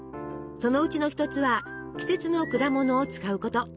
そのうちの一つは季節の果物を使うこと。